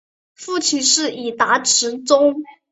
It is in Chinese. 父亲是伊达持宗。